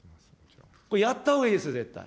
これやったほうがいいですよ、絶対。